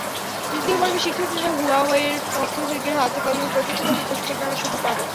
দ্বিতীয় পর্বে শিক্ষার্থীরা হুয়াওয়ের পক্ষ থেকে হাতে-কলমে প্রযুক্তিগত প্রশিক্ষণ নেওয়ার সুযোগ পাবেন।